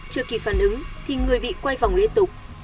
trước khi phản ứng thì người bị quay vòng lễ tục